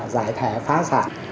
giải thẻ phá sản